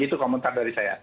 begitu komentar dari saya